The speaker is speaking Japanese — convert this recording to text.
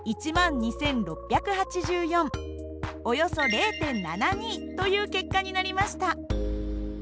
およそ０．７２という結果になりました。